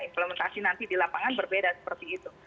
implementasi nanti di lapangan berbeda seperti itu